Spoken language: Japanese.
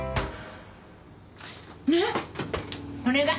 ねっお願い。